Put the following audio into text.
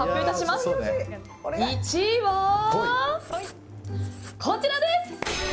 １位は、こちらです！